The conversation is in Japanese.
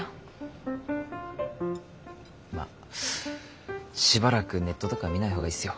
まあしばらくネットとか見ない方がいいっすよ。